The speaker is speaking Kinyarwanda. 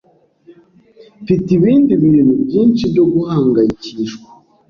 Mfite ibindi bintu byinshi byo guhangayikishwa.